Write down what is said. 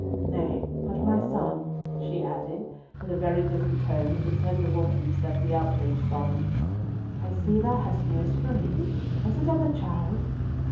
Nay but, my son," she added, with a very different tone of the tender woman instead of the outraged sovereign, "I see thou hast news for me. Is it of the child?"